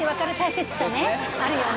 あるよね。